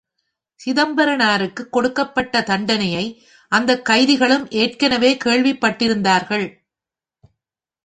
சிதம்பரனாருக்கு கொடுக்கப்பட்ட தண்டனையை அந்தக் கைதிகளும் ஏற்கனவே கேள்விப்பட்டிருந்தார்கள்.